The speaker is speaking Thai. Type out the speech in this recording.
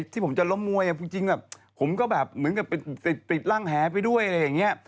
ที่ผมจะล้มมวยจริงผมก็แบบเหมือนกับติดร่างแหไปด้วยอะไรอย่างนี้